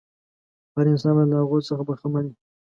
هر انسان باید له هغو څخه برخمن وي.